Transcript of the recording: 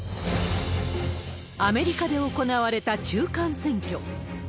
アメリカで行われた中間選挙。